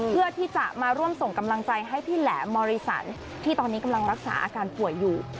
เพื่อที่จะมาร่วมส่งกำลังใจให้พี่แหลมมริสันที่ตอนนี้กำลังรักษาอาการป่วยอยู่